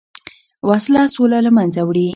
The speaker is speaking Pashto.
وسله سوله له منځه وړي